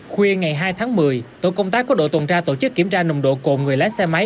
khuya ngày hai tháng một mươi tổ công tác của đội tuần tra tổ chức kiểm tra nồng độ cồn người lái xe máy